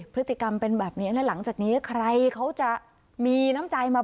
พฤติกรรมเป็นแบบนี้และหลังจากนี้ใครเขาจะมีน้ำใจมา